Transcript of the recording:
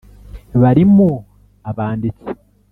barimo abanditsi,